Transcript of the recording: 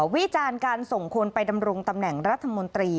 วิจารณ์การส่งคนไปดำรงตำแหน่งรัฐมนตรี